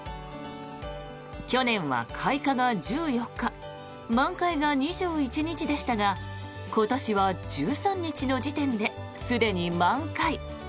去年は、開花が１４日満開が２１日でしたが今年は１３日の時点ですでに満開。